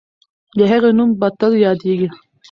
د هغې نوم به تل یادېږي.